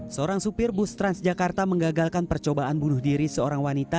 seorang supir bus transjakarta mengagalkan percobaan bunuh diri seorang wanita